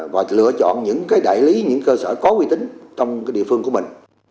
và lựa chọn những đại lý những cơ sở có quy tính trong địa phương của mình